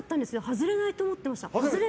外れないと思ってました。